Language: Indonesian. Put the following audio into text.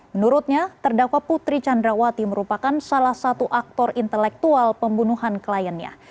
menurutnya terdakwa putri candrawati merupakan salah satu aktor intelektual pembunuhan kliennya